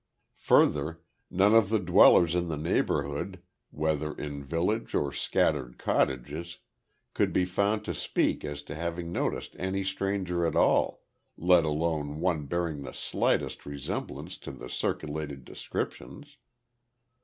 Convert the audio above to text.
Further, none of the dwellers in the neighbourhood whether in village or scattered cottages could be found to speak as to having noticed any stranger at all, let alone one bearing the slightest resemblance to the circulated descriptions.